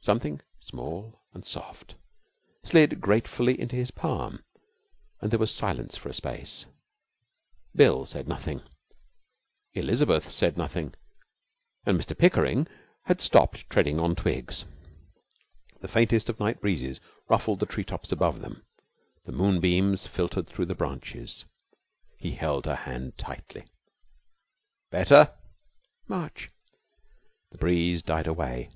Something small and soft slid gratefully into his palm, and there was silence for a space. Bill said nothing. Elizabeth said nothing. And Mr Pickering had stopped treading on twigs. The faintest of night breezes ruffled the tree tops above them. The moonbeams filtered through the branches. He held her hand tightly. 'Better?' 'Much.' The breeze died away.